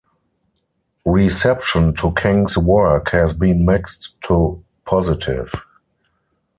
Reception to King's work has been mixed to positive.